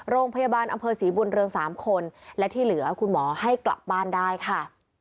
โรงพยาบาลอำเภอศรีบุญเรือง๓คนและที่เหลือคุณหมอให้กลับบ้านได้ค่ะ